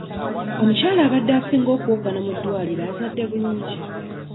Omukyala abadde asinga okuwoggana mu ddwaliro azadde bulungi.